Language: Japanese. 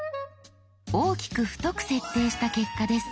大きく太く設定した結果です。